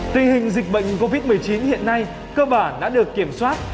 tình hình dịch bệnh covid một mươi chín hiện nay cơ bản đã được kiểm soát